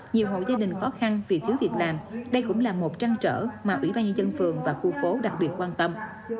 nhiều hộ gia đình khó khăn vì thiếu việc làm đây cũng là một trăn trở mà ủy ban nhân dân phường và khu phố đặc biệt quan tâm